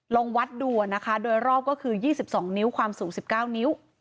ลองวัดดูนะคะโดยรอบก็คือ๒๒นิ้วความสูง๑๙นิ้ว